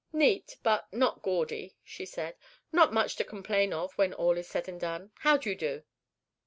"Neat, but not gaudy," she said; "not much to complain of when all is said and done. How do you do?"